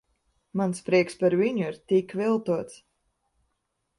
Mans prieks par viņu ir tik viltots.